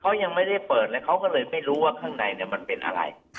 เขายังไม่ได้เปิดแล้วเขาก็เลยไม่รู้ว่าข้างในมันเป็นอะไร